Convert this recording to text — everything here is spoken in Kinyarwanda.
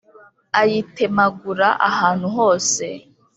ayitemagura ahantu hose.